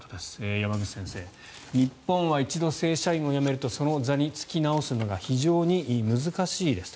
山口先生、日本は一度、正社員を辞めるとその座に就き直すのが非常に難しいですと。